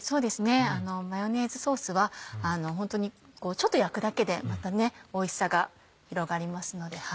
マヨネーズソースはちょっと焼くだけでまたおいしさが広がりますので。